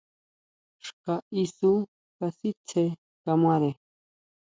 Xka isú kasitsé kamare.